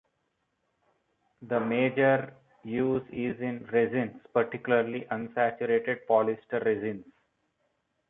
The major use is in resins, particularly, unsaturated polyester resins.